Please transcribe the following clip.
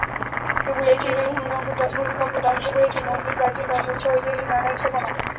কেবল এটিই নয়, ভূমিকম্প ধ্বংস করেছে মন্দির, প্রাচীন প্রাসাদসহ ঐতিহাসিক নানা স্থাপনা।